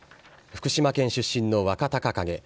福島県出身の若隆景。